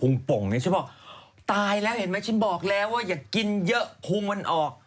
ปงเนี่ยฉันบอกตายแล้วเห็นไหมฉันบอกแล้วว่าอย่ากินเยอะพุงมันออก